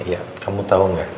iya kamu tau gak